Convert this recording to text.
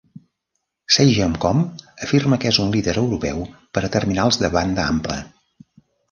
Sagemcom afirma que és un líder europeu per a terminals de banda ampla.